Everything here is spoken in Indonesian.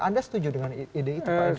anda setuju dengan ide itu pak agus